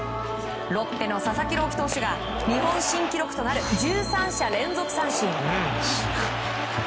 ロッテの佐々木朗希投手が日本新記録となる１３者連続三振。